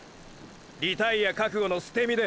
リタイア覚悟の捨て身で！！